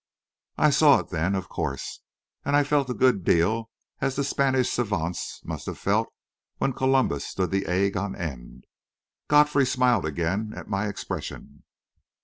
I saw it then, of course; and I felt a good deal as the Spanish savants must have felt when Columbus stood the egg on end. Godfrey smiled again at my expression.